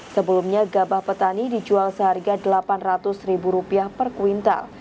sebelumnya gabah petani dijual seharga rp delapan ratus ribu rupiah per kuintal